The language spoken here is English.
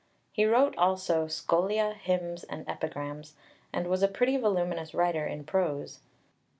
He wrote also Skolia, Hymns, and Epigrams, and was a pretty voluminous writer in prose (Pauly).